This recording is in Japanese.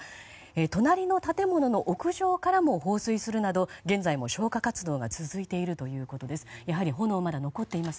隣の建物の屋上からも放水するなど現在も消火活動が続いているということです。